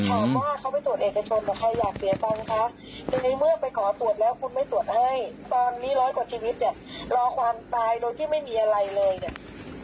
ตอนนี้ร้อยกว่าชีวิตรอความตายโดยที่ไม่มีอะไรเลย